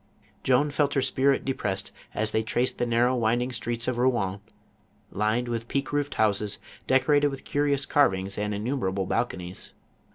Joan felt her spirit depressed as they traced the narrow winding streets of Rouen, lined with peaked roofed houses, deco rated with curious carvings and innumerable balconies.